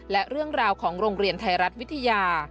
และเรื่องราวของโรงเรียนไทยรัฐวิทยา